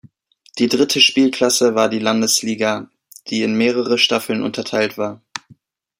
Die dritte Spielklasse war die Landesliga, die in mehrere Staffeln unterteilt war.